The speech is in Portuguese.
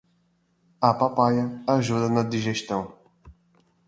A papaya ajuda na digestão.